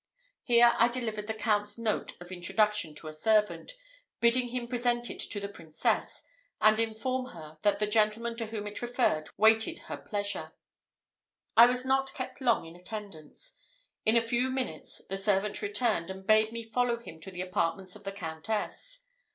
Here I delivered the Count's note of introduction to a servant, bidding him present it to the Princess, and inform her that the gentleman to whom it referred waited her pleasure. I was not kept long in attendance. In a few minutes the servant returned, and bade me follow him to the apartments of the Countess.